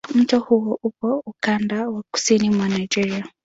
Mto huo upo ukanda wa kusini mwa Nigeria.